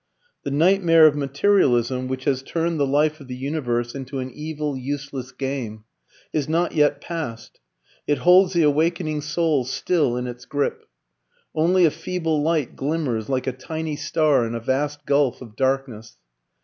The nightmare of materialism, which has turned the life of the universe into an evil, useless game, is not yet past; it holds the awakening soul still in its grip. Only a feeble light glimmers like a tiny star in a vast gulf of darkness.